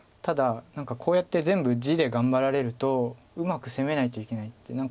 ただ何かこうやって全部地で頑張られるとうまく攻めないといけないって。